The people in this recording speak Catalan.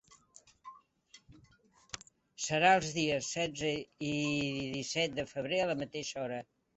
Serà els dies setze i disset de febrer a la mateixa hora.